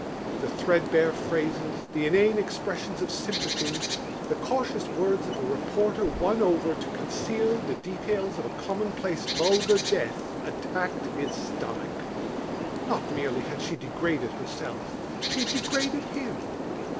The threadbare phrases, the inane expressions of sympathy, the cautious words of a reporter won over to conceal the details of a commonplace vulgar death attacked his stomach. Not merely had she degraded herself; she had degraded him.